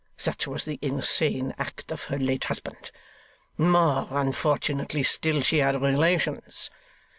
Such was the insane act of her late husband. More unfortunately still, she had relations.